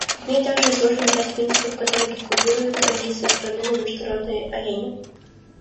В ней также изложен ряд принципов, которые регулируют действия страны на международной арене.